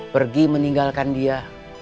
pergi meninggalkan dia